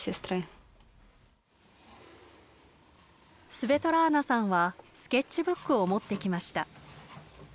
スヴェトラーナさんはスケッチブックを持ってきました。